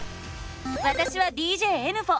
わたしはＤＪえぬふぉ。